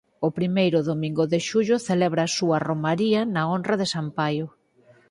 O primeiro domingo de xullo celebra a súa romaría na honra de San Paio.